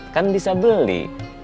kan bisa beli